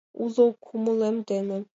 — Уло кумылем дене.